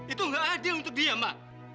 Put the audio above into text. itu nggak adil untuk dia ma